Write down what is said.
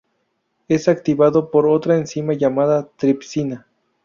Es activado por otra enzima llamada tripsina.